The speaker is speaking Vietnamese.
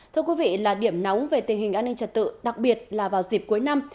thưa quý vị là điểm nóng về tình hình an ninh trật tự đặc biệt là vào dịp cuối năm